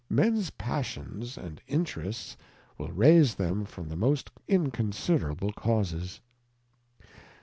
Mens Passions and Interests will raise them from the most inconsiderable Causes.